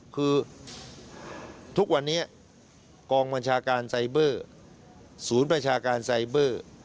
คือทุกวันนี้กองบัญชาการไซเบอร์ศูนย์ประชาการไซเบอร์